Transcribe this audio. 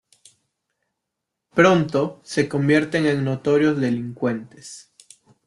Pronto se convierten en notorios delincuentes.